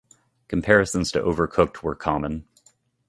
Comparisons to "Overcooked" were common.